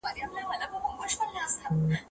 زه به سبا کالي وپرېولم!.